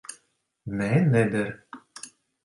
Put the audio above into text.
Nē, neder.